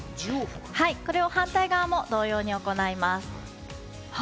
これを反対側も同様に行います。